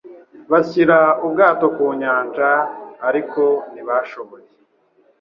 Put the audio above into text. Bashyira ubwato ku nyanja, ariko ntibashoboye